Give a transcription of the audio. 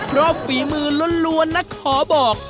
เพราะฝีมือล้วนนะขอบอก